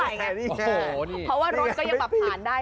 เพราะว่ารถก็ยังแบบผ่านได้